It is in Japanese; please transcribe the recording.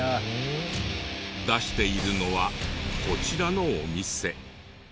出しているのはこちらのお店。